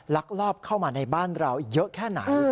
ลักลอบเข้ามาในบ้านเราเยอะแค่ไหน